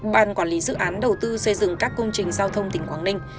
ban quản lý dự án đầu tư xây dựng các công trình giao thông tỉnh quảng ninh